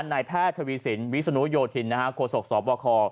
นายแพทย์ทวีสินวิศนุโยธินโคศกสบค